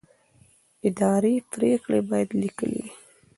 اداري پرېکړې باید لیکلې وي.